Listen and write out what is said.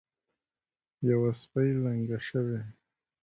یوه سپۍ لنګه شوې.